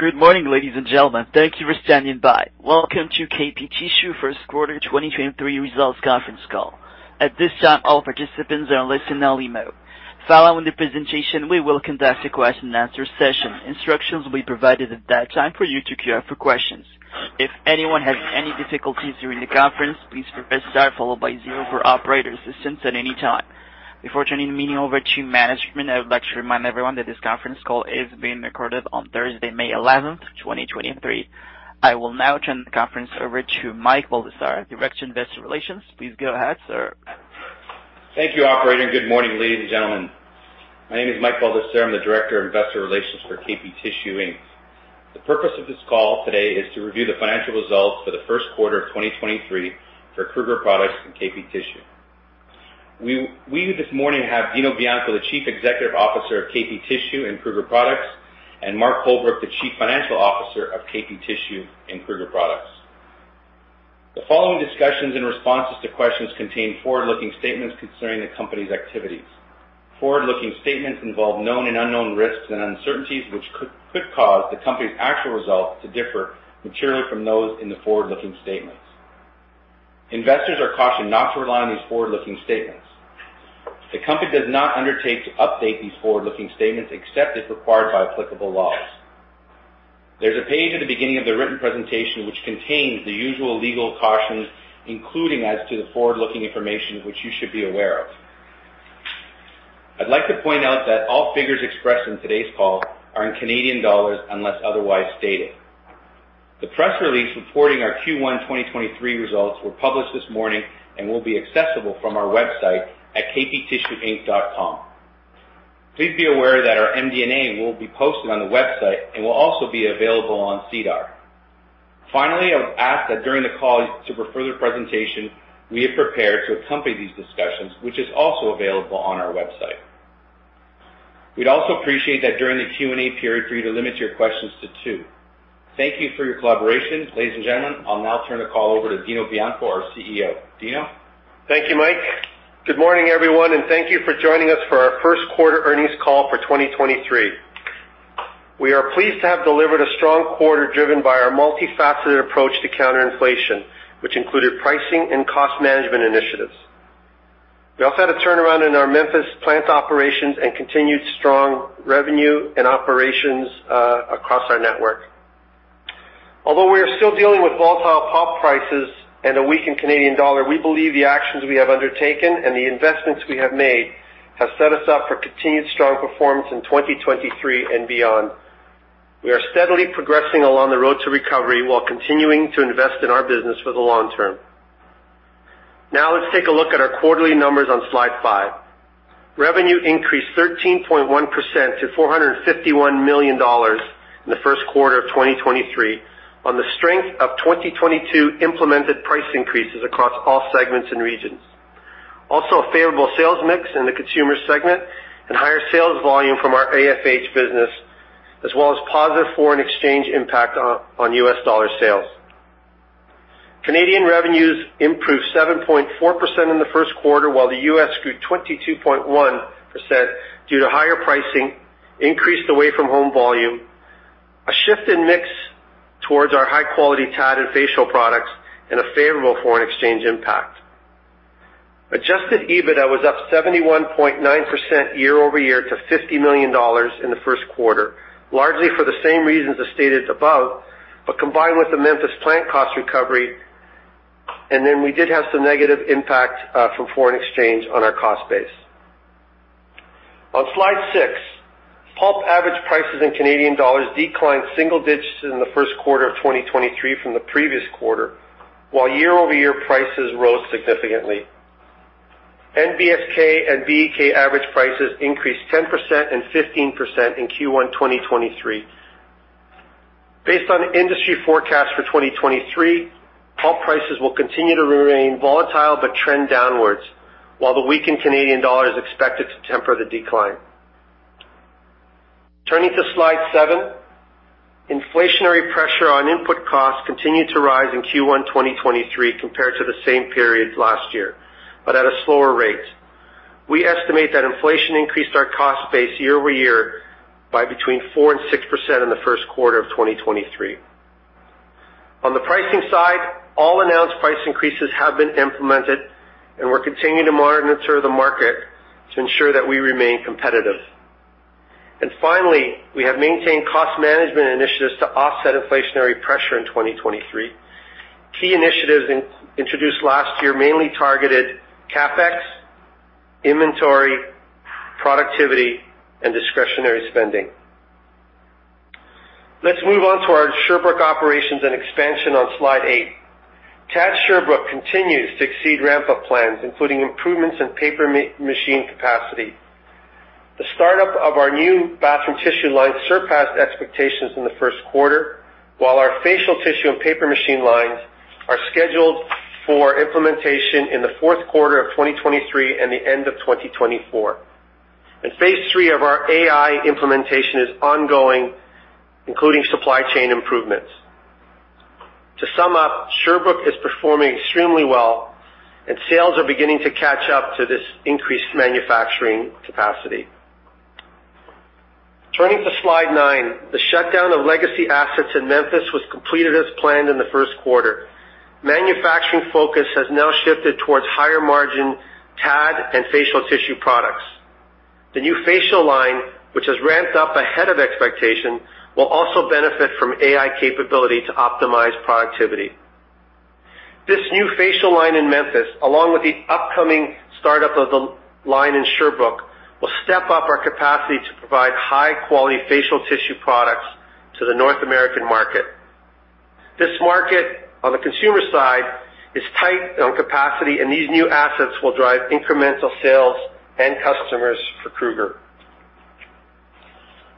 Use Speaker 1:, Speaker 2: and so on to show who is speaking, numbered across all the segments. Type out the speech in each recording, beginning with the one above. Speaker 1: Good morning, ladies and gentlemen. Thank you for standing by. Welcome to KP Tissue first quarter 2023 results conference call. At this time, all participants are listening in read-only mode. Following the presentation, we will conduct a question-and-answer session. Instructions will be provided at that time for you to queue up for questions. If anyone has any difficulties during the conference, please press star followed by zero for operator assistance at any time. Before turning the meeting over to management, I would like to remind everyone that this conference call is being recorded on Thursday, May eleventh, 2023. I will now turn the conference over to Mike Baldesarra, Director, Investor Relations. Please go ahead, sir.
Speaker 2: Thank you, operator. Good morning, ladies and gentlemen. My name is Mike Baldesarra. I'm the Director, Investor Relations for KP Tissue Inc. The purpose of this call today is to review the financial results for the first quarter of 2023 for Kruger Products and KP Tissue. We this morning have Dino Bianco, the Chief Executive Officer of KP Tissue and Kruger Products, and Mark Holbrook, the Chief Financial Officer of KP Tissue and Kruger Products. The following discussions and responses to questions contain forward-looking statements concerning the company's activities. Forward-looking statements involve known and unknown risks and uncertainties which could cause the company's actual results to differ materially from those in the forward-looking statements. Investors are cautioned not to rely on these forward-looking statements. The company does not undertake to update these forward-looking statements except as required by applicable laws. There's a page at the beginning of the written presentation which contains the usual legal cautions, including as to the forward-looking information which you should be aware of. I'd like to point out that all figures expressed in today's call are in Canadian dollars, unless otherwise stated. The press release reporting our Q1 2023 results were published this morning and will be accessible from our website at kptissueinc.com. Please be aware that our MD&A will be posted on the website and will also be available on SEDAR. I would ask that during the call to refer to the presentation we have prepared to accompany these discussions, which is also available on our website. We'd also appreciate that during the Q&A period for you to limit your questions to two. Thank you for your collaboration. Ladies and gentlemen, I'll now turn the call over to Dino Bianco, our CEO. Dino?
Speaker 3: Thank you, Mike. Good morning, everyone, and thank you for joining us for our first quarter earnings call for 2023. We are pleased to have delivered a strong quarter driven by our multifaceted approach to counter inflation, which included pricing and cost management initiatives. We also had a turnaround in our Memphis plant operations and continued strong revenue and operations across our network. Although we are still dealing with volatile pulp prices and a weakened Canadian dollar, we believe the actions we have undertaken and the investments we have made have set us up for continued strong performance in 2023 and beyond. We are steadily progressing along the road to recovery while continuing to invest in our business for the long term. Now, let's take a look at our quarterly numbers on slide five. Revenue increased 13.1% to 451 million dollars in the first quarter of 2023 on the strength of 2022 implemented price increases across all segments and regions. Also, a favorable sales mix in the consumer segment and higher sales volume from our AFH business, as well as positive foreign exchange impact on US dollar sales. Canadian revenues improved 7.4% in the first quarter, while the US grew 22.1% due to higher pricing, increased away-from-home volume, a shift in mix towards our high-quality TAD and facial products, and a favorable foreign exchange impact. Adjusted EBITDA was up 71.9% year-over-year to 50 million dollars in the first quarter, largely for the same reasons as stated above, but combined with the Memphis plant cost recovery, and then we did have some negative impact from foreign exchange on our cost base. On slide six, pulp average prices in Canadian dollars declined single digits in the first quarter of 2023 from the previous quarter, while year-over-year prices rose significantly. NBSK and BEK average prices increased 10% and 15% in Q1 2023. Based on industry forecast for 2023, pulp prices will continue to remain volatile but trend downwards, while the weakened Canadian dollar is expected to temper the decline. Turning to slide seven, inflationary pressure on input costs continued to rise in Q1 2023 compared to the same period last year, but at a slower rate. We estimate that inflation increased our cost base year-over-year by between 4% and 6% in the first quarter of 2023. On the pricing side, all announced price increases have been implemented. We're continuing to monitor the market to ensure that we remain competitive. Finally, we have maintained cost management initiatives to offset inflationary pressure in 2023. Key initiatives introduced last year mainly targeted CapEx, inventory, productivity, and discretionary spending. Let's move on to our Sherbrooke operations and expansion on slide 8. TAD Sherbrooke continues to exceed ramp-up plans, including improvements in paper machine capacity. The startup of our new bathroom tissue line surpassed expectations in the first quarter, while our facial tissue and paper machine lines are scheduled for implementation in the fourth quarter of 2023 and the end of 2024. Phase three of our AI implementation is ongoing, including supply chain improvements. To sum up, Sherbrooke is performing extremely well and sales are beginning to catch up to this increased manufacturing capacity. Turning to slide nine. The shutdown of legacy assets in Memphis was completed as planned in the first quarter. Manufacturing focus has now shifted towards higher margin TAD and facial tissue products. The new facial line, which has ramped up ahead of expectation, will also benefit from AI capability to optimize productivity. This new facial line in Memphis, along with the upcoming startup of the line in Sherbrooke, will step up our capacity to provide high quality facial tissue products to the North American market. This market, on the consumer side, is tight on capacity and these new assets will drive incremental sales and customers for Kruger.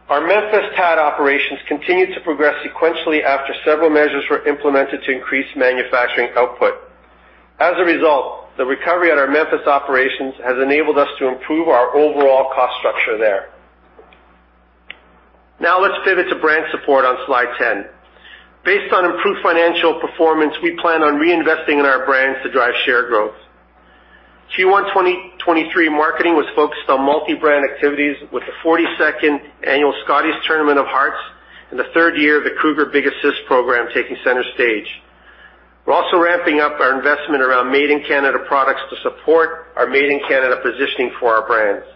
Speaker 3: Our Memphis TAD operations continued to progress sequentially after several measures were implemented to increase manufacturing output. The recovery at our Memphis operations has enabled us to improve our overall cost structure there. Let's pivot to brand support on slide 10. Based on improved financial performance, we plan on reinvesting in our brands to drive share growth. Q1 2023 marketing was focused on multi-brand activities with the 42nd Annual Scotties Tournament of Hearts and the 3rd year of the Kruger Big Assist program taking center stage. We're also ramping up our investment around Made in Canada products to support our Made in Canada positioning for our brands.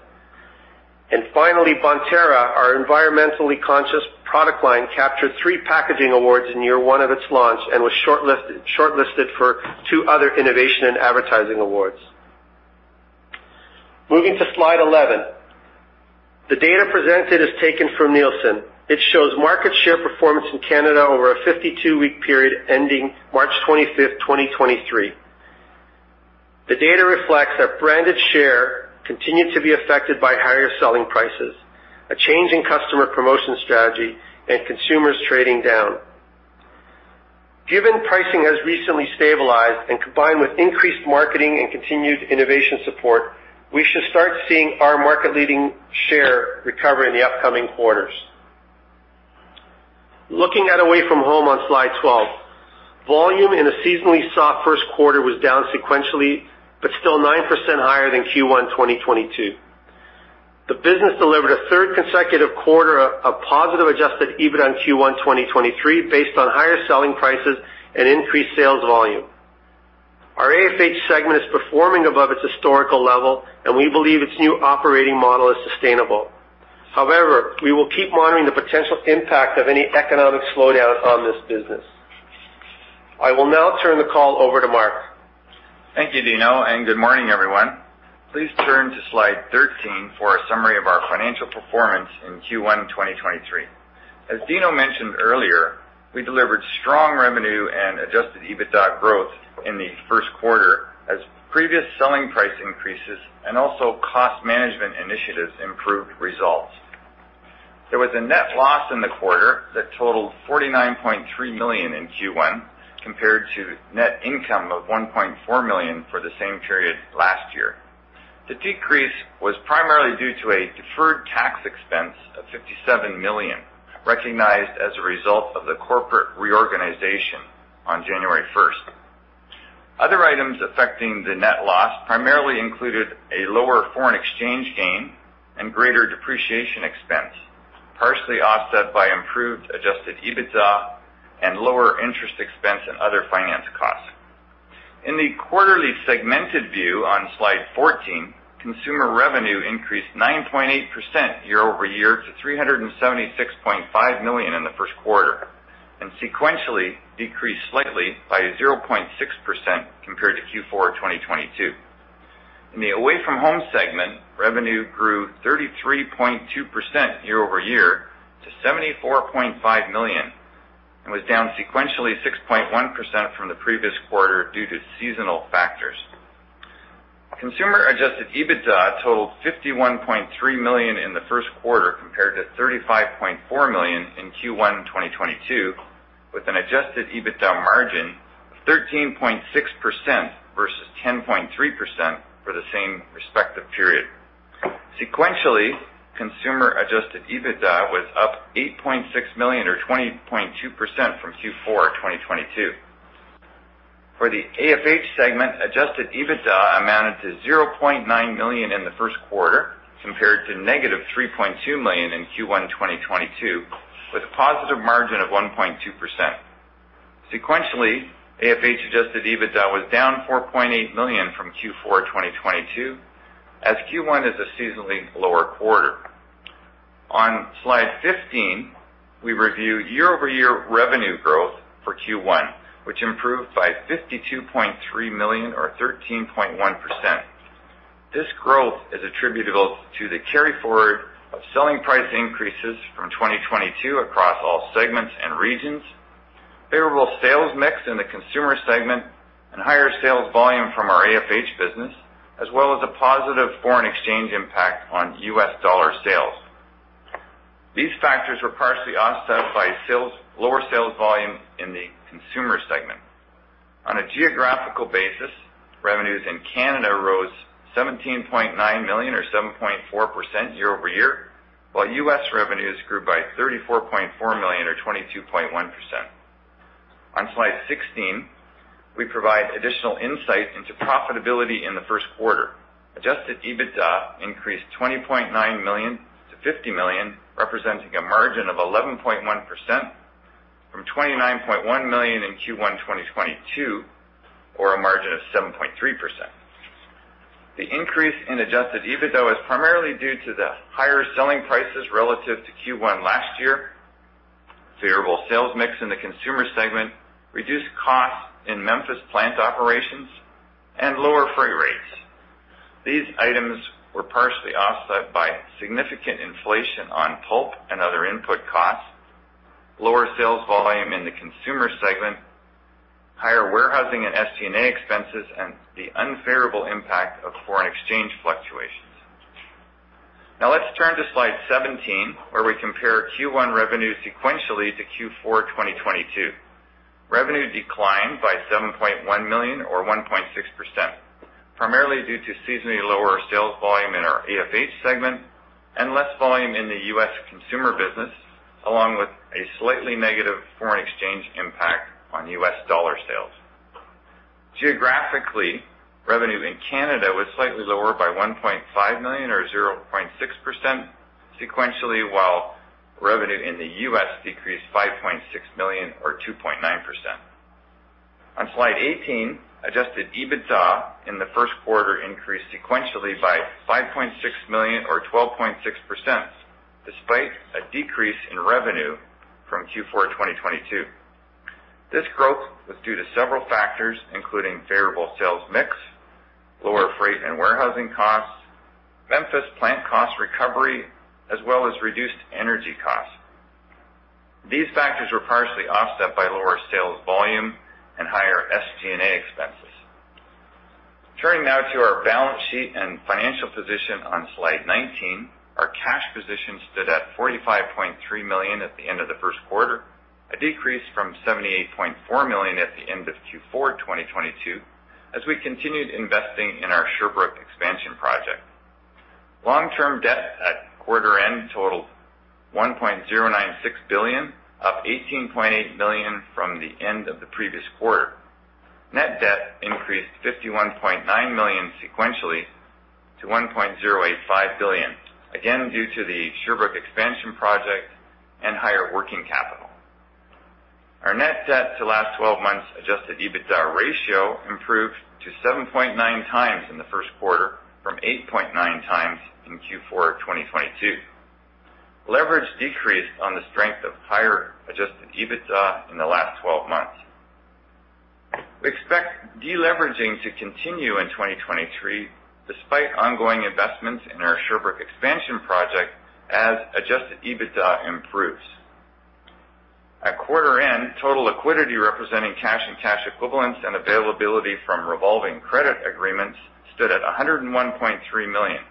Speaker 3: Finally, Bonterra, our environmentally conscious product line, captured three packaging awards in year one of its launch and was shortlisted for two other innovation and advertising awards. Moving to slide 11. The data presented is taken from Nielsen. It shows market share performance in Canada over a 52-week period ending March 25th, 2023. The data reflects that branded share continued to be affected by higher selling prices, a change in customer promotion strategy and consumers trading down. Given pricing has recently stabilized and combined with increased marketing and continued innovation support, we should start seeing our market leading share recover in the upcoming quarters. Looking at away from home on slide 12. Volume in a seasonally soft first quarter was down sequentially but still 9% higher than Q1 2022. The business delivered a third consecutive quarter of positive Adjusted EBIT on Q1 2023 based on higher selling prices and increased sales volume. Our AFH segment is performing above its historical level and we believe its new operating model is sustainable. We will keep monitoring the potential impact of any economic slowdown on this business. I will now turn the call over to Mark.
Speaker 4: Thank you, Dino. Good morning everyone. Please turn to slide 13 for a summary of our financial performance in Q1 2023. As Dino mentioned earlier, we delivered strong revenue and Adjusted EBITDA growth in the first quarter as previous selling price increases and also cost management initiatives improved results. There was a net loss in the quarter that totaled 49.3 million in Q1 compared to net income of 1.4 million for the same period last year. The decrease was primarily due to a deferred tax expense of 57 million, recognized as a result of the corporate reorganization on January 1st. Other items affecting the net loss primarily included a lower foreign exchange gain and greater depreciation expense, partially offset by improved Adjusted EBITDA and lower interest expense and other finance costs. In the quarterly segmented view on slide 14, consumer revenue increased 9.8% year-over-year to 376.5 million in the first quarter, and sequentially decreased slightly by 0.6% compared to Q4 2022. In the AFH segment, revenue grew 33.2% year-over-year to 74.5 million, and was down sequentially 6.1% from the previous quarter due to seasonal factors. Consumer Adjusted EBITDA totaled 51.3 million in the first quarter compared to 35.4 million in Q1 2022, with an Adjusted EBITDA margin of 13.6% versus 10.3% for the same respective period. Sequentially, consumer Adjusted EBITDA was up 8.6 million or 20.2% from Q4 2022. For the AFH segment, Adjusted EBITDA amounted to 0.9 million in the first quarter compared to -3.2 million in Q1 2022 with a positive margin of 1.2%. Sequentially, AFH Adjusted EBITDA was down 4.8 million from Q4 2022 as Q1 is a seasonally lower quarter. On slide 15, we review year-over-year revenue growth for Q1, which improved by 52.3 million or 13.1%. This growth is attributable to the carry forward of selling price increases from 2022 across all segments and regions, favorable sales mix in the consumer segment, and higher sales volume from our AFH business, as well as a positive foreign exchange impact on US dollar sales. These factors were partially offset by lower sales volume in the consumer segment. On a geographical basis, revenues in Canada rose 17.9 million or 7.4% year-over-year, while US revenues grew by 34.4 million or 22.1%. On slide 16, we provide additional insight into profitability in the first quarter. Adjusted EBITDA increased 20.9 million to 50 million, representing a margin of 11.1% from 29.1 million in Q1 2022, or a margin of 7.3%. The increase in Adjusted EBITDA was primarily due to the higher selling prices relative to Q1 last year, favorable sales mix in the consumer segment, reduced costs in Memphis plant operations and lower freight rates. These items were partially offset by significant inflation on pulp and other input costs, lower sales volume in the consumer segment, higher warehousing and SG&A expenses, and the unfavorable impact of foreign exchange fluctuations. Now let's turn to slide 17, where we compare Q1 revenue sequentially to Q4 2022. Revenue declined by 7.1 million or 1.6%, primarily due to seasonally lower sales volume in our AFH segment and less volume in the US consumer business, along with a slightly negative foreign exchange impact on US dollar sales. Geographically, revenue in Canada was slightly lower by 1.5 million or 0.6% sequentially, while revenue in the US decreased 5.6 million or 2.9%. On slide 18, Adjusted EBITDA in the first quarter increased sequentially by 5.6 million or 12.6%, despite a decrease in revenue from Q4 2022. This growth was due to several factors, including favorable sales mix, lower freight and warehousing costs, Memphis plant cost recovery, as well as reduced energy costs. These factors were partially offset by lower sales volume and higher SG&A expenses. Turning now to our balance sheet and financial position on slide 19. Our cash position stood at 45.3 million at the end of the first quarter, a decrease from 78.4 million at the end of Q4 2022 as we continued investing in our Sherbrooke expansion project. Long-term debt at quarter end totaled 1.096 billion, up 18.8 million from the end of the previous quarter. Net debt increased 51.9 million sequentially to 1.085 billion, again due to the Sherbrooke expansion project and higher working capital. Our net debt to last 12 months Adjusted EBITDA ratio improved to 7.9 times in the first quarter from 8.9x in Q4 2022. Leverage decreased on the strength of higher Adjusted EBITDA in the last 12 months. We expect deleveraging to continue in 2023 despite ongoing investments in our Sherbrooke expansion project as Adjusted EBITDA improves. At quarter end, total liquidity representing cash and cash equivalents and availability from revolving credit agreements stood at 101.3 million.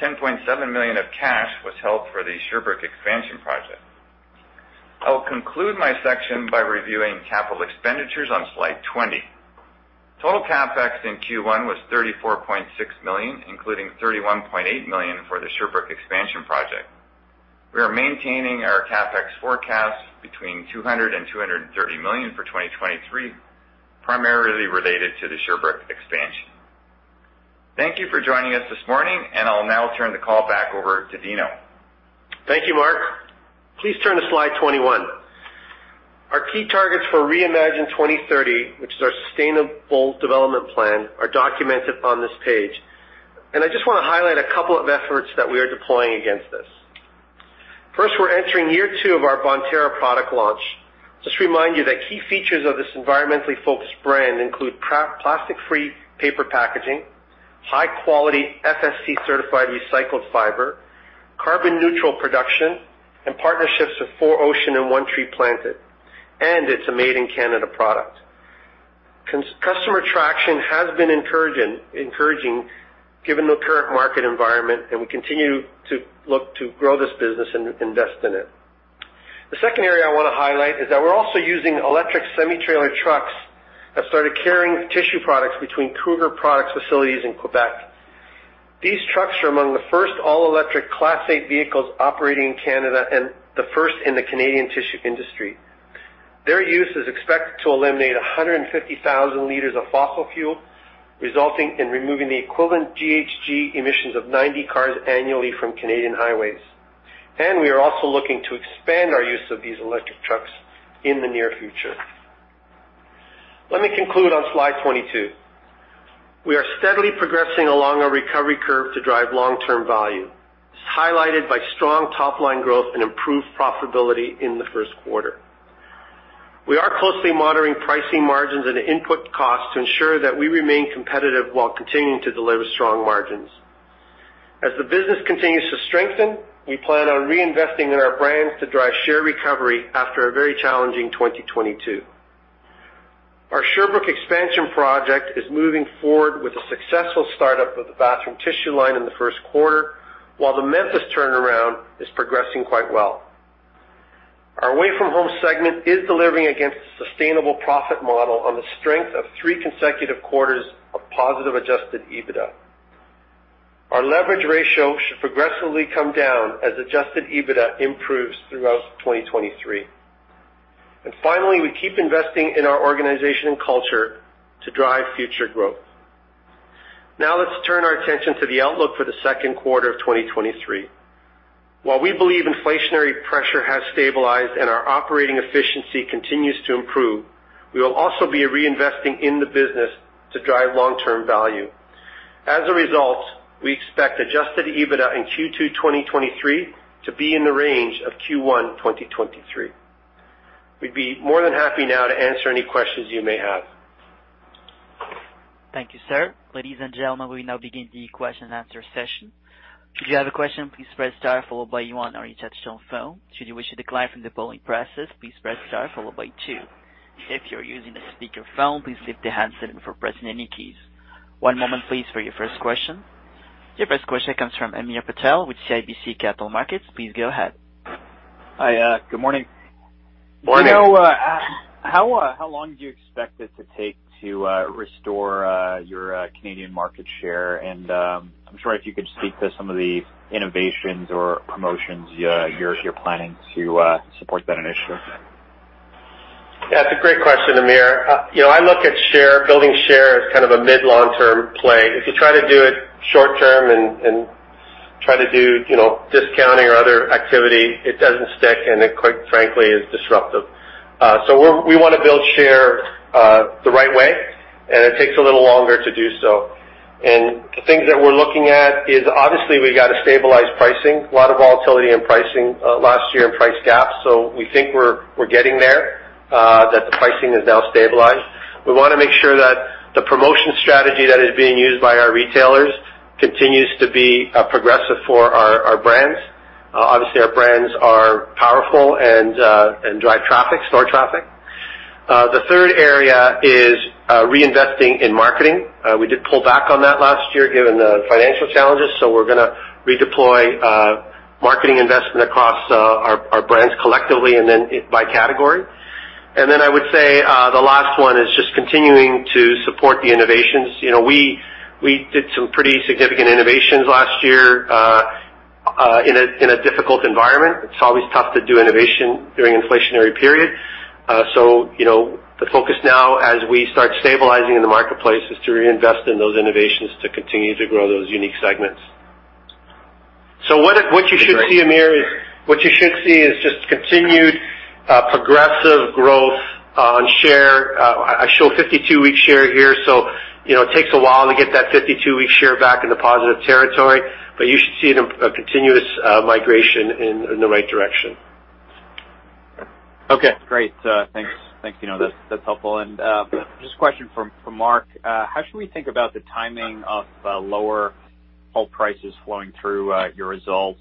Speaker 4: 10.7 million of cash was held for the Sherbrooke expansion project. I will conclude my section by reviewing capital expenditures on slide 20. Total CapEx in Q1 was 34.6 million, including 31.8 million for the Sherbrooke expansion project. We are maintaining our CapEx forecast between 200 million and 230 million for 2023, primarily related to the Sherbrooke expansion. Thank you for joining us this morning. I'll now turn the call back over to Dino.
Speaker 3: Thank you, Mark. Please turn to slide 21. Our key targets for Reimagine 2030, which is our sustainable development plan, are documented on this page. I just wanna highlight a couple of efforts that we are deploying against this. First, we're entering year two of our Bonterra product launch. Just to remind you that key features of this environmentally focused brand include plastic-free paper packaging, high-quality FSC certified recycled fiber, carbon neutral production, and partnerships with 4ocean and One Tree Planted, and it's a Made in Canada product. Customer traction has been encouraging given the current market environment, and we continue to look to grow this business and invest in it. The second area I wanna highlight is that we're also using electric semi-trailer trucks have started carrying tissue products between Kruger Products facilities in Quebec. These trucks are among the first all-electric Class eight vehicles operating in Canada and the first in the Canadian tissue industry. Their use is expected to eliminate 150,000 liters of fossil fuel, resulting in removing the equivalent GHG emissions of 90 cars annually from Canadian highways. We are also looking to expand our use of these electric trucks in the near future. Let me conclude on slide 22. We are steadily progressing along our recovery curve to drive long-term value. It's highlighted by strong top-line growth and improved profitability in the first quarter. We are closely monitoring pricing margins and input costs to ensure that we remain competitive while continuing to deliver strong margins. As the business continues to strengthen, we plan on reinvesting in our brands to drive share recovery after a very challenging 2022. Our Sherbrooke expansion project is moving forward with a successful startup of the bathroom tissue line in the 1st quarter. While the Memphis turnaround is progressing quite well. Our away-from-home segment is delivering against a sustainable profit model on the strength of three consecutive quarters of positive Adjusted EBITDA. Our leverage ratio should progressively come down as Adjusted EBITDA improves throughout 2023. Finally, we keep investing in our organization and culture to drive future growth. Now let's turn our attention to the outlook for the Q2 of 2023. While we believe inflationary pressure has stabilized and our operating efficiency continues to improve, we will also be reinvesting in the business to drive long-term value. As a result, we expect Adjusted EBITDA in Q2 2023 to be in the range of Q1 2023. We'd be more than happy now to answer any questions you may have.
Speaker 1: Thank you, sir. Ladies and gentlemen, we now begin the question and answer session. If you have a question, please press star followed by one on your touchtone phone. Should you wish to decline from the polling process, please press star followed by two. If you're using a speakerphone, please lift the handset before pressing any keys. One moment please for your first question. Your first question comes from Hamir Patel with CIBC Capital Markets. Please go ahead.
Speaker 5: Hi. Good morning.
Speaker 3: Morning.
Speaker 5: Do you know, how long do you expect it to take to restore your Canadian market share? I'm sure if you could speak to some of the innovations or promotions you're planning to support that initiative.
Speaker 3: That's a great question, Hamir. You know, I look at share, building share as kind of a mid, long-term play. If you try to do it short term and try to do, you know, discounting or other activity, it doesn't stick, and it, quite frankly, is disruptive. So we wanna build share, the right way, and it takes a little longer to do so. The things that we're looking at is, obviously, we gotta stabilize pricing. A lot of volatility in pricing, last year in price gaps, so we think we're getting there, that the pricing is now stabilized. We wanna make sure that the promotion strategy that is being used by our retailers continues to be, progressive for our brands. Obviously, our brands are powerful and drive traffic, store traffic. The third area is reinvesting in marketing. We did pull back on that last year given the financial challenges. We're gonna redeploy marketing investment across our brands collectively and then by category. I would say, the last one is just continuing to support the innovations. You know, we did some pretty significant innovations last year in a difficult environment. It's always tough to do innovation during inflationary period. You know, the focus now as we start stabilizing in the marketplace is to reinvest in those innovations to continue to grow those unique segments.
Speaker 5: That'd be great.
Speaker 3: What you should see, Hamir, is just continued, progressive growth on share. I show 52-week share here, so you know it takes a while to get that 52-week share back in the positive territory, but you should see it in a continuous migration in the right direction.
Speaker 5: Okay, great. Thanks. You know, that's helpful. Just a question from Mark. How should we think about the timing of lower pulp prices flowing through your results?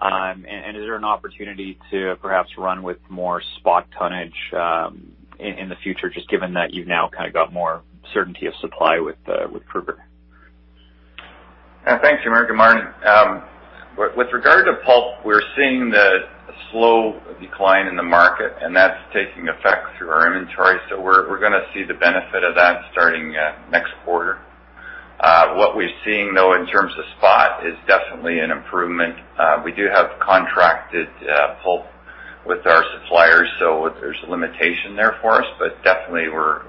Speaker 5: Is there an opportunity to perhaps run with more spot tonnage in the future just given that you've now kind of got more certainty of supply with Kruger Products?
Speaker 4: Thanks, Hamir. Good morning. With regard to pulp, we're seeing the slow decline in the market, and that's taking effect through our inventory, so we're going to see the benefit of that starting next quarter. What we're seeing though in terms of spot is definitely an improvement. We do have contracted pulp with our suppliers, so there's a limitation there for us. But definitely we're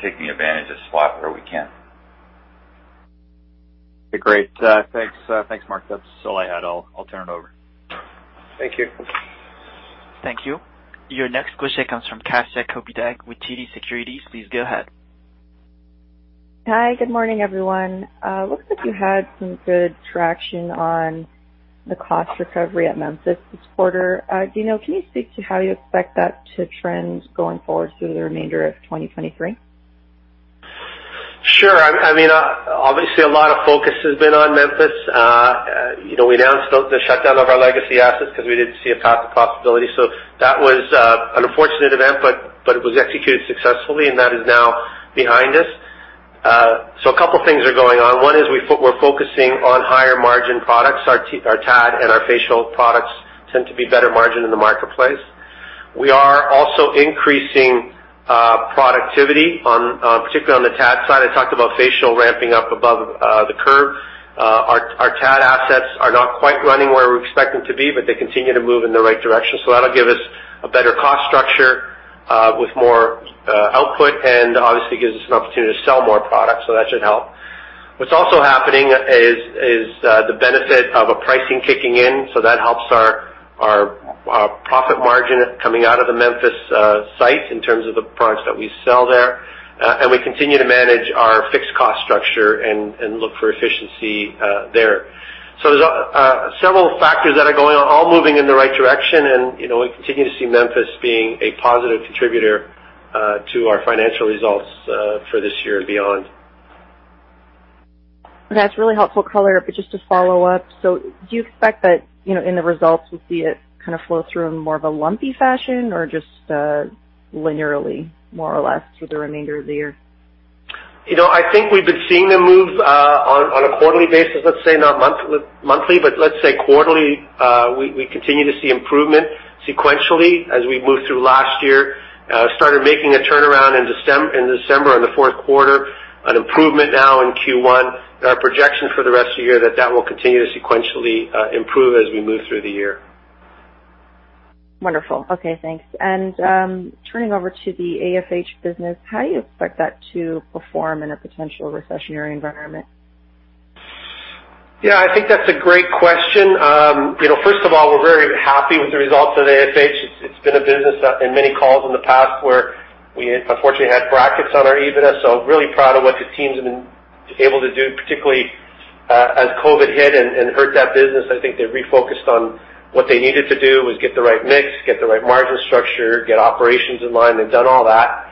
Speaker 4: taking advantage of spot where we can.
Speaker 5: Okay, great. Thanks. Thanks, Mark. That's all I had. I'll turn it over.
Speaker 4: Thank you.
Speaker 1: Thank you. Your next question comes from Kasia Kopyciok with TD Securities. Please go ahead.
Speaker 6: Hi. Good morning, everyone. Looks like you had some good traction on the cost recovery at Memphis this quarter. Dino, can you speak to how you expect that to trend going forward through the remainder of 2023?
Speaker 3: Sure. I mean, obviously a lot of focus has been on Memphis. You know, we announced the shutdown of our legacy assets 'cause we didn't see a path to profitability. That was an unfortunate event, but it was executed successfully. That is now behind us. A couple things are going on. One is we're focusing on higher margin products. Our TAD and our facial products tend to be better margin in the marketplace. We are also increasing productivity on particularly on the TAD side. I talked about facial ramping up above the curve. Our TAD assets are not quite running where we expect them to be, but they continue to move in the right direction. That'll give us a better cost structure, with more output and obviously gives us an opportunity to sell more product, so that should help. What's also happening is the benefit of a pricing kicking in, so that helps our profit margin coming out of the Memphis site in terms of the products that we sell there. We continue to manage our fixed cost structure and look for efficiency there. There's several factors that are going on, all moving in the right direction. You know, we continue to see Memphis being a positive contributor to our financial results for this year and beyond.
Speaker 6: That's really helpful color. Just to follow up, so do you expect that, you know, in the results, we'll see it kind of flow through in more of a lumpy fashion or just linearly more or less through the remainder of the year?
Speaker 3: You know, I think we've been seeing them move on a quarterly basis, let's say not monthly, but let's say quarterly. We continue to see improvement sequentially as we move through last year. Started making a turnaround in December, in the fourth quarter. An improvement now in Q1. Our projection for the rest of the year that will continue to sequentially improve as we move through the year.
Speaker 6: Wonderful. Okay, thanks. Turning over to the AFH business, how do you expect that to perform in a potential recessionary environment?
Speaker 3: Yeah, I think that's a great question. You know, first of all, we're very happy with the results of AFH. It's been a business in many calls in the past where we unfortunately had brackets on our EBITA. Really proud of what the teams have been able to do, particularly as COVID hit and hurt that business. I think they refocused on what they needed to do, was get the right mix, get the right margin structure, get operations in line. They've done all that.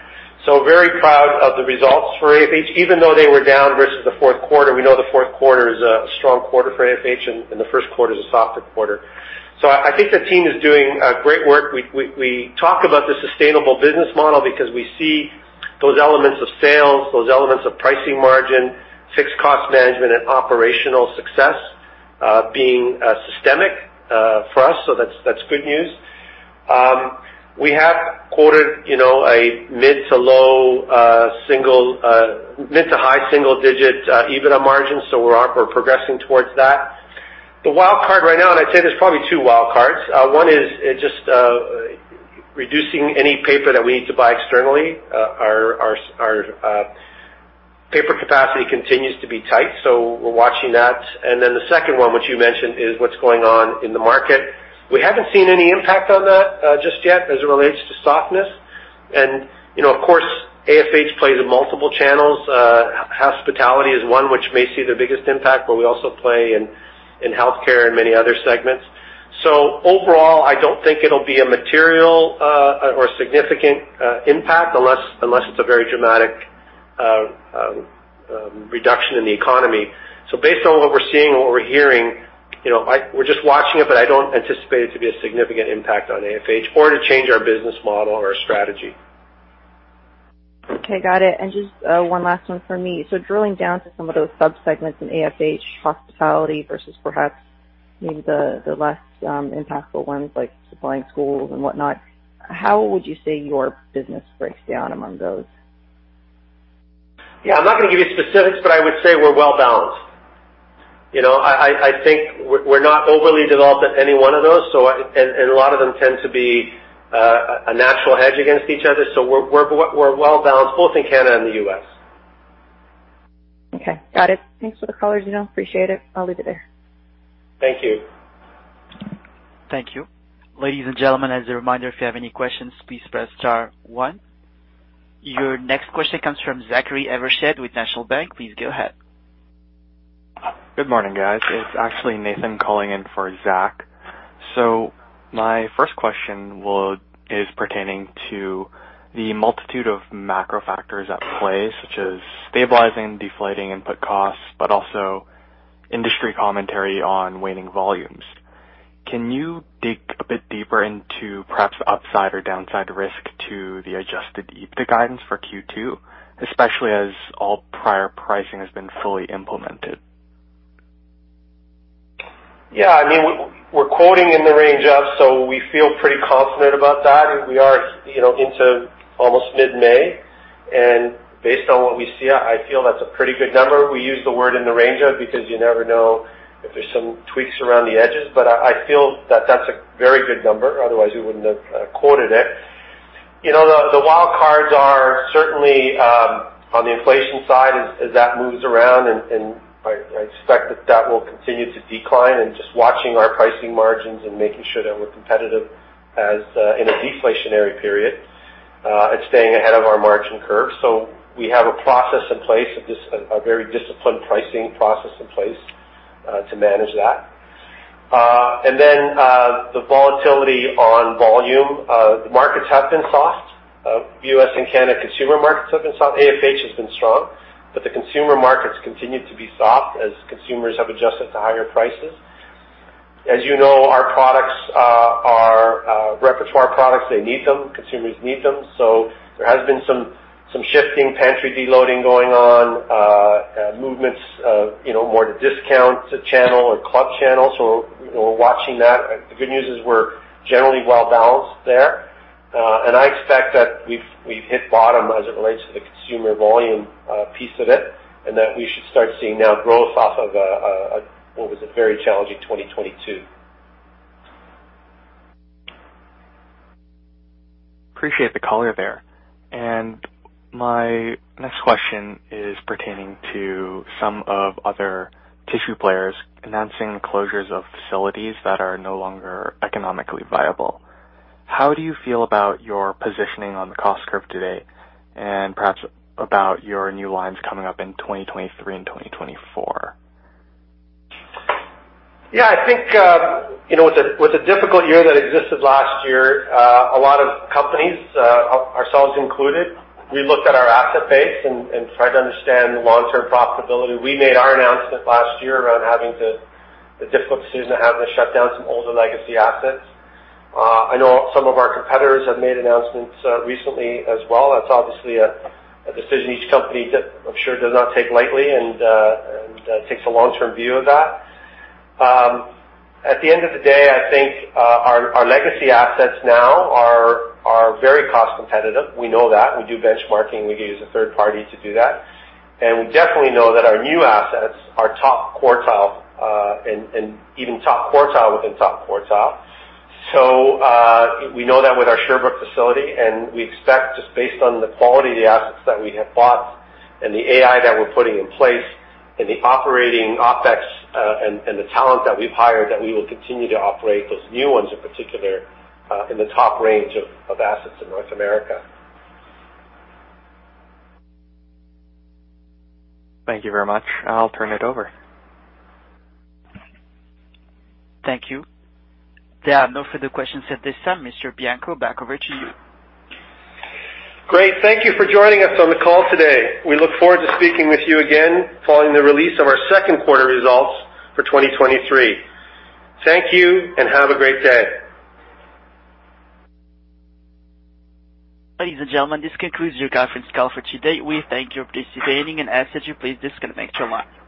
Speaker 3: Very proud of the results for AFH, even though they were down versus the fourth quarter. We know the fourth quarter is a strong quarter for AFH, and the first quarter is a softer quarter. I think the team is doing great work. We talk about the sustainable business model because we see those elements of sales, those elements of pricing margin, fixed cost management, and operational success, being systemic for us. That's good news. We have quoted, you know, a mid to high single digit EBITA margin, so we're progressing towards that. The wild card right now, and I'd say there's probably two wild cards. One is just reducing any paper that we need to buy externally. Our paper capacity continues to be tight, so we're watching that. The second one, which you mentioned, is what's going on in the market. We haven't seen any impact on that just yet as it relates to softness. You know, of course, AFH plays in multiple channels. Hospitality is one which may see the biggest impact, but we also play in healthcare and many other segments. Overall, I don't think it'll be a material or significant impact unless it's a very dramatic reduction in the economy. Based on what we're seeing and what we're hearing, you know, we're just watching it, but I don't anticipate it to be a significant impact on AFH or to change our business model or our strategy.
Speaker 6: Okay, got it. Just one last one from me. Drilling down to some of those subsegments in AFH hospitality versus perhaps maybe the less impactful ones like supplying schools and whatnot, how would you say your business breaks down among those?
Speaker 3: Yeah, I'm not gonna give you specifics, but I would say we're well balanced. You know, I think we're not overly developed at any one of those. A lot of them tend to be a natural hedge against each other. We're well balanced both in Canada and the US.
Speaker 6: Okay, got it. Thanks for the color, Dino. Appreciate it. I'll leave it there.
Speaker 3: Thank you.
Speaker 1: Thank you. Ladies and gentlemen, as a reminder, if you have any questions, please press star one. Your next question comes from Zachary Evershed with National Bank. Please go ahead.
Speaker 7: Good morning, guys. It's actually Nathan calling in for Zachary. My first question is pertaining to the multitude of macro factors at play, such as stabilizing, deflating input costs, but also industry commentary on waning volumes. Can you dig a bit deeper into perhaps upside or downside risk to the Adjusted EBITDA guidance for Q2, especially as all prior pricing has been fully implemented?
Speaker 3: Yeah, I mean, we're quoting in the range of, so we feel pretty confident about that. We are, you know, into almost mid-May. Based on what we see, I feel that's a pretty good number. We use the word in the range of because you never know if there's some tweaks around the edges, but I feel that that's a very good number, otherwise we wouldn't have quoted it. You know, the wild cards are certainly on the inflation side as that moves around. I expect that that will continue to decline, and just watching our pricing margins and making sure that we're competitive as in a deflationary period, and staying ahead of our margin curve. We have a process in place, a very disciplined pricing process in place, to manage that. The volatility on volume. The markets have been soft. US and Canada consumer markets have been soft. AFH has been strong, but the consumer markets continue to be soft as consumers have adjusted to higher prices. As you know, our products are repertoire products. They need them. Consumers need them. There has been some shifting, pantry deloading going on. Movements of, you know, more to discount to channel or club channels. We're watching that. The good news is we're generally well balanced there. I expect that we've hit bottom as it relates to the consumer volume piece of it, and that we should start seeing now growth off of a very challenging 2022.
Speaker 7: My next question is pertaining to some of other tissue players announcing closures of facilities that are no longer economically viable. How do you feel about your positioning on the cost curve today, and perhaps about your new lines coming up in 2023 and 2024?
Speaker 3: Yeah, I think, you know, with the difficult year that existed last year, a lot of companies, ourselves included, we looked at our asset base and tried to understand the long-term profitability. We made our announcement last year around the difficult decision of having to shut down some older legacy assets. I know some of our competitors have made announcements recently as well. That's obviously a decision each company that I'm sure does not take lightly and takes a long-term view of that. At the end of the day, I think, our legacy assets now are very cost competitive. We know that. We do benchmarking. We use a third party to do that. We definitely know that our new assets are top quartile, and even top quartile within top quartile. We know that with our Sherbrooke facility, and we expect, just based on the quality of the assets that we have bought and the AI that we're putting in place and the operating OpEx, and the talent that we've hired, that we will continue to operate those new ones in particular, in the top range of assets in North America.
Speaker 7: Thank you very much. I'll turn it over.
Speaker 1: Thank you. There are no further questions at this time. Mr. Bianco, back over to you.
Speaker 3: Great. Thank you for joining us on the call today. We look forward to speaking with you again following the release of our second quarter results for 2023. Thank you, and have a great day.
Speaker 1: Ladies and gentlemen, this concludes your conference call for today. We thank you for participating and ask that you please disconnect your line.